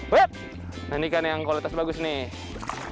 panen ikan yang kualitas bagus nih